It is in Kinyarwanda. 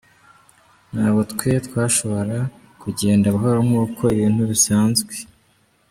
Nta bwo twe twashobora kugenda buhoro nk’uko ibintu bisanzwe.